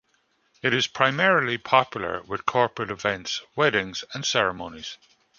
It is primarily popular with corporate events, weddings and ceremonies.